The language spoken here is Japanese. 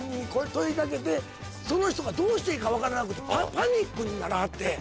その人がどうしていいか分からなくてパニックにならはって。